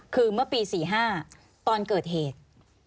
คือเมื่อปี๔๕ตอนเกิดเหตุ